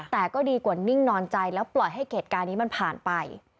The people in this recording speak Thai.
แต่ก็ดีกว่านิ่งนอนใจแล้วปล่อยให้เหตุการณ์นี้มันผ่านไป